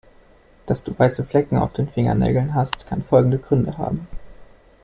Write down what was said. Dass du weiße Flecken auf den Fingernägeln hast, kann folgende Gründe haben.